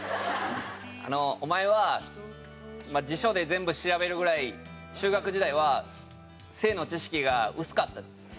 お前は辞書で全部調べるぐらい中学時代は性の知識が薄かった。